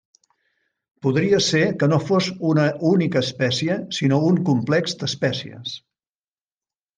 Podria ser que no fos una única espècie, sinó un complex d'espècies.